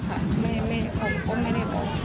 เขาก็ไม่ได้บอก